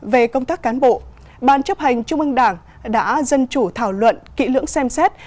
về công tác cán bộ ban chấp hành trung ương đảng đã dân chủ thảo luận kỹ lưỡng xem xét